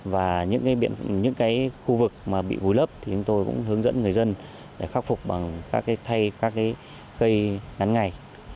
và những khu vực bị vùi lấp thì chúng tôi cũng hướng dẫn người dân khắc phục bằng các cây ngắn ngày